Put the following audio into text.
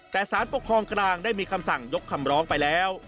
แต่สารปกครองกลางได้มีคำสั่งยกคำร้องไปแล้ว